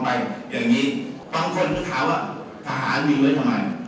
บางคนถามว่าสหรัฐมีไว้ทำไม